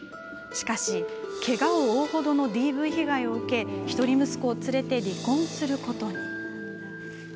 しかしけがを負うほどのＤＶ被害を受け一人息子を連れて離婚することに。